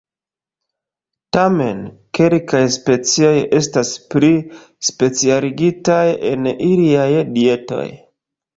Tamen, kelkaj specioj estas pli specialigitaj en iliaj dietoj.